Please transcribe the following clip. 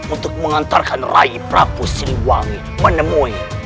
untuk mengantarkan raih prabu siluwangi menemui